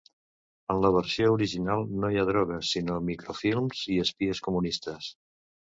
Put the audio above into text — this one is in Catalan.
En la versió original no hi ha droga sinó microfilms i espies comunistes.